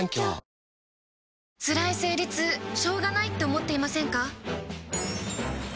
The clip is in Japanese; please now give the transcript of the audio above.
つらい生理痛しょうがないって思っていませんか？